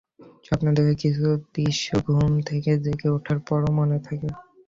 স্বপ্নে দেখা কিছু দৃশ্য ঘুম থেকে জেগে ওঠার পরও মনে থাকে।